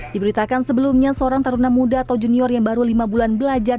diberitakan sebelumnya seorang taruna muda atau junior yang baru lima bulan belajar